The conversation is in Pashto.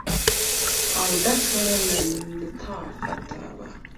او ډکه له لطافت وه.